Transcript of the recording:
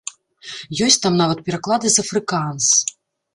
Ёсць там нават пераклады з афрыкаанс.